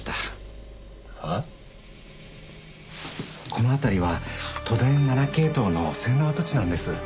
この辺りは都電７系統の線路跡地なんです。